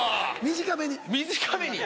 短めに。